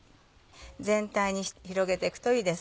全体に広げていくといいです。